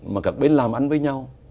mà các bên làm ăn với nhau